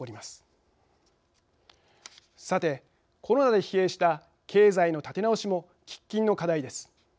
さてコロナで疲弊した経済の立て直しも喫緊の課題です。